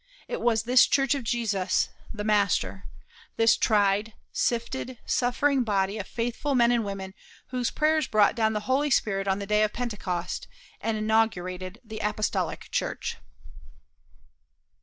It was this church of Jesus, the Master, this tried, sifted, suffering body of faithful men and women whose prayers brought down the Holy Spirit on the day of Pentecost, and inaugurated the Apostolic Church.